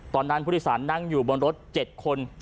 ตอนนั้นผู้โดยสารนั่งอยู่บนรถ๗คน